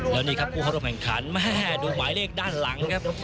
แล้วนี่ครับผู้เข้าร่วมแข่งขันดูหมายเลขด้านหลังครับ